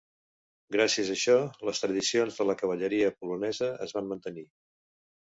Gràcies a això, les tradicions de la cavalleria polonesa es van mantenir.